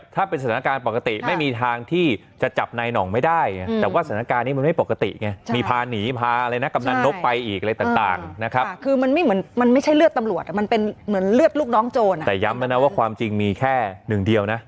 แต่ขนาดที่ตำรวจด้วยกันเองเนี่ย